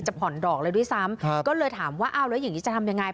ผ่อนดอกเลยด้วยซ้ำก็เลยถามว่าอ้าวแล้วอย่างนี้จะทำยังไง